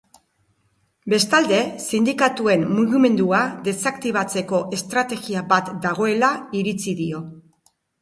Bestalde, sindikatuen mugimendua desaktibatzeko estrategia bat dagoela iritzi dio.